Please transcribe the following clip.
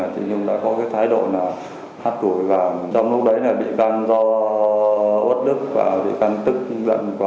chị nhung đã có cái thái độ là hắt tuổi và trong lúc đấy là bị can do bất đức và bị can tức lận quá